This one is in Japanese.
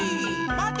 まて！